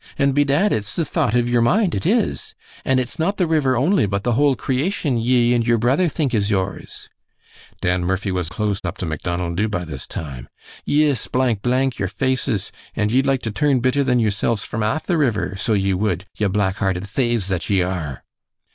An' bedad it's the thought of yir mind, it is. An' it's not the river only, but the whole creation ye an yir brother think is yours." Dan Murphy was close up to Macdonald Dubh by this time. "Yis, blank, blank, yir faces, an' ye'd like to turn better than yirsilves from aff the river, so ye wud, ye black hearted thaves that ye are."